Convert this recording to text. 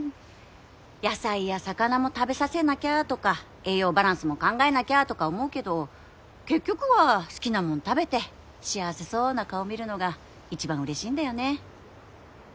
野菜や魚も食べさせなきゃとか栄養バランスも考えなきゃとか思うけど結局は好きなもん食べて幸せそうな顔見るのが一番うれしいんだよね